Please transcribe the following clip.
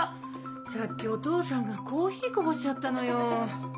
さっきお父さんがコーヒーこぼしちゃったのよ。